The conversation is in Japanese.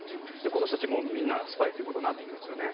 この人たちはみんなスパイということになってきますよね。